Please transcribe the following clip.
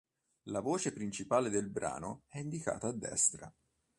La voce principale del brano è indicata a destra.